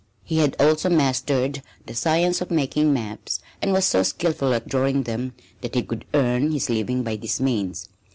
He had also mastered the science of making maps and was so skilful at drawing them that he could earn his living by this means.